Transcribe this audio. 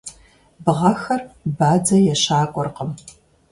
Бгъэхэр бадзэ ещакӏуэркъым.